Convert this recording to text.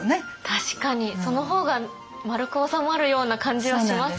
確かにその方が丸く収まるような感じはしますね。